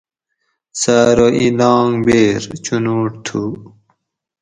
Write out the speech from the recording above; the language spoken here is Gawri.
سہۤ ارو ایں لانگ بَیر چونوٹ تھو